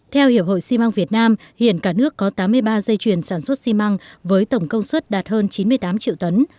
theo hiệp hội xi măng việt nam hiện cả nước có tám mươi ba dây chuyền sản xuất xi măng với tổng công suất đạt hơn chín mươi tám triệu tấn